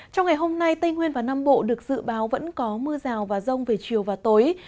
trong ngày hôm nay tây nguyên và nam bộ được dự báo vẫn có mưa rào và rông về chiều và tối